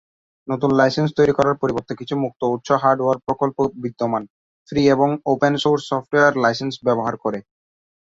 নতুন লাইসেন্স তৈরি করার পরিবর্তে কিছু মুক্ত-উৎস হার্ডওয়্যার প্রকল্প বিদ্যমান, ফ্রি এবং ওপেন সোর্স সফ্টওয়্যার লাইসেন্স ব্যবহার করে।